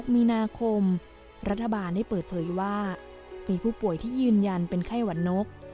มีนาคมรัฐบาลได้เปิดเผยว่ามีผู้ป่วยที่ยืนยันเป็นไข้หวัดนก